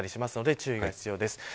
注意が必要です。